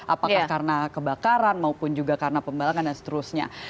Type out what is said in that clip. apakah karena kebakaran maupun juga karena pembalangan dan seterusnya